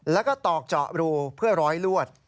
แล้วก็ตอกเจาะรูเพื่อร้อยลวด